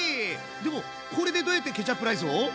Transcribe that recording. でもこれでどうやってケチャップライスを？